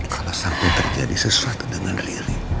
kalau sampai terjadi sesuatu dengan lirik